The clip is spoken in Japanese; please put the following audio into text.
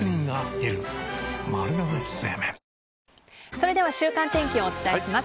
それでは週間天気をお伝えします。